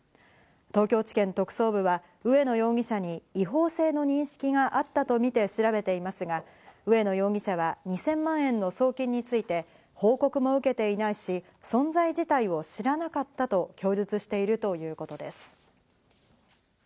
東京地検特捜部は植野容疑者に違法性の認識があったとみて調べていますが、植野容疑者は２０００万円の送金について報告も受けていないし、存在自体を知らなかったと供述しているということです。